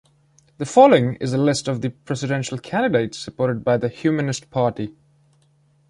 The following is a list of the presidential candidates supported by the Humanist Party.